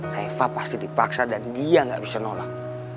kaeva pasti dipaksa dan dia gak bisa nolak